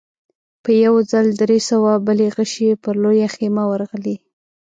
په يوه ځل درې سوه بلې غشې پر لويه خيمه ورغلې.